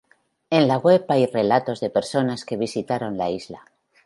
En la web hay relatos de personas que visitaron la isla.